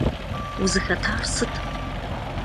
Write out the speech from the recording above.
Узыхэтар сыт?